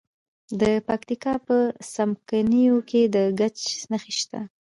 د پکتیا په څمکنیو کې د ګچ نښې شته.